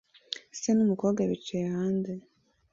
Se n'umukobwa bicaye hanze